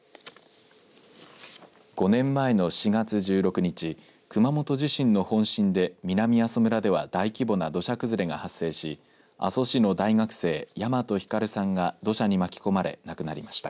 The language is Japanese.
５年前の４月１６日熊本地震の本震で南阿蘇村では大規模な土砂崩れが発生し阿蘇市の大学生、大和晃さんが土砂に巻き込まれ亡くなりました。